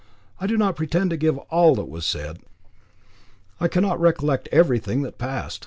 I do not pretend to give all that was said. I cannot recollect everything that passed.